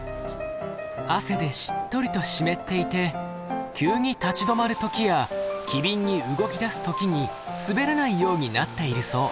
汗でしっとりと湿っていて急に立ち止まる時や機敏に動きだす時に滑らないようになっているそう。